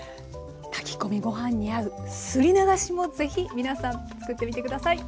炊き込みご飯に合うすり流しもぜひ皆さん作ってみて下さい。